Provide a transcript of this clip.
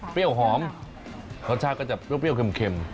เปรี้ยวหอมรสชาติก็จะเปรี้ยวเค็ม